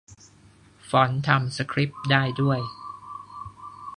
ฟอนต์ทำสคริปต์ได้ด้วย !